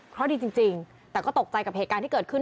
เพราะดีจริงแต่ก็ตกใจกับเหตุการณ์ที่เกิดขึ้น